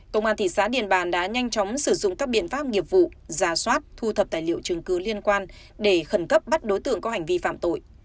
công an thị xã điện bàn đã nhanh chóng sử dụng các biện pháp nghiệp vụ giả soát thu thập tài liệu chứng cứ liên quan để khẩn cấp bắt đối tượng có hành vi phạm tội